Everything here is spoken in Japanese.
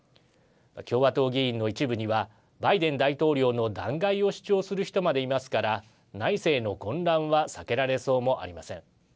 共和党議員の一部にはバイデン大統領の弾劾を主張する人までいますから内政の混乱は避けられそうもありません。